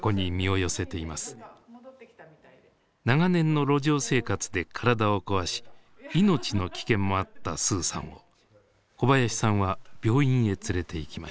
長年の路上生活で体を壊し命の危険もあったスーさんを小林さんは病院へ連れていきました。